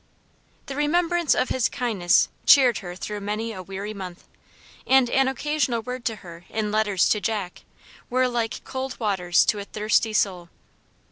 The remembrance of his kindness cheered her through many a weary month, and an occasional word to her in letters to Jack, were like "cold waters to a thirsty soul."